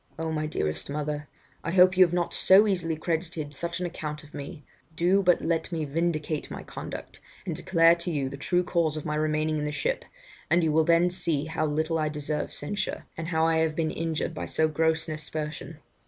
Oh! my dearest mother, I hope you have not so easily credited such an account of me; do but let me vindicate my conduct, and declare to you the true cause of my remaining in the ship, and you will then see how little I deserve censure, and how I have been injured by so gross an aspersion.